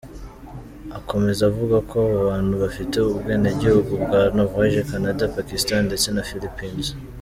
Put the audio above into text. Akomeza avuga ko abo bantu bafite ubwenegihugu bwa Norvège, Canada, Pakistan ndetse na Philippines.